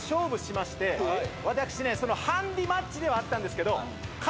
ハンディマッチではあったんですけど。